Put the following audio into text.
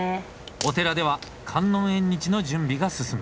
お寺では観音縁日の準備が進む。